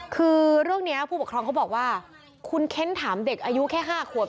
คือเรื่องนี้ผู้ปกครองเขาบอกว่าคุณเค้นถามเด็กอายุแค่๕ขวบ